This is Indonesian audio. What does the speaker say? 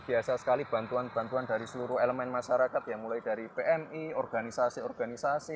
biasa sekali bantuan bantuan dari seluruh elemen masyarakat ya mulai dari pmi organisasi organisasi